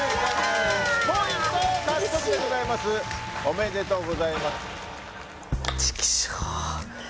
イエーイ１ポイント獲得でございます嬉しいおめでとうございます